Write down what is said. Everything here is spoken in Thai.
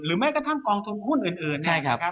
แม้กระทั่งกองทุนหุ้นอื่นนะครับ